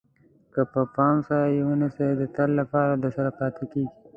که په پام سره یې ونیسئ د تل لپاره درسره پاتې کېږي.